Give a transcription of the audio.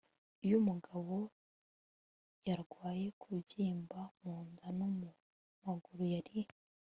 iyo umugabo yarwaye kubyimba munda no mumaguru yari